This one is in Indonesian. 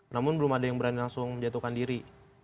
namun belum ada yang berani langsung menjatuhkan diri